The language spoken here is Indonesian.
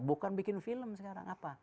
bukan bikin film sekarang apa